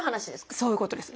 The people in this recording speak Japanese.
そういうことです。